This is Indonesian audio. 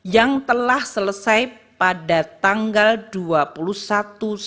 yang telah selesai pada tanggal dua puluh satu september